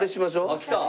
あっ来た！